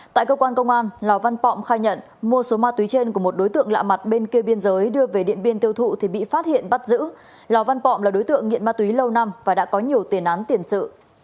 tại cơ quan công an lò văn pọng khai nhận mua số ma túy trên của một đối tượng lạ mặt bên kia biên giới đưa về điện biên tiêu thụ thì bị phát hiện bắt giữ lò văn bọm là đối tượng nghiện ma túy lâu năm và đã có nhiều tiền án tiền sự